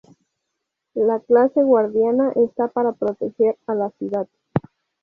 La clase guardiana está para proteger a la ciudad.